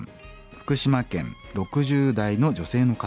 福島県６０代の女性の方。